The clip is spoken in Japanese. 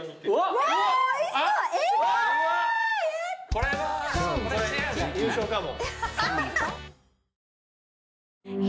これ優勝かも。